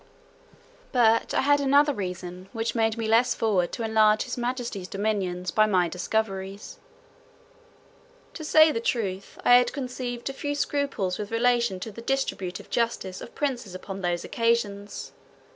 But I had another reason, which made me less forward to enlarge his majesty's dominions by my discoveries. To say the truth, I had conceived a few scruples with relation to the distributive justice of princes upon those occasions.